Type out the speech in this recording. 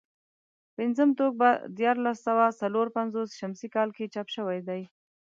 پنځم ټوک په دیارلس سوه څلور پنځوس شمسي کال کې چاپ شوی دی.